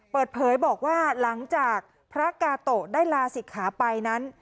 เปิดเผยบอกว่าหลังจากพระกาโตะได้ลาศิกขาไปนั้น